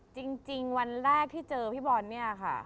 จริงวันแรกที่เจอพี่บอลเนี่ยค่ะ